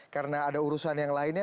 karena ada urusan yang lainnya